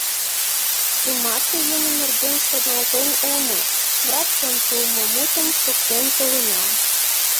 Тымарте йӱмӧ нерген шоналтен омыл, врачлан пуымо мутым шуктен толынам.